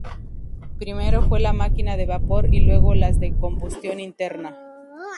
Primero fue la máquina de vapor y luego las de combustión interna.